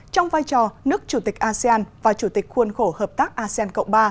trong vai trò nước chủ tịch asean và chủ tịch khuôn khổ hợp tác asean cộng ba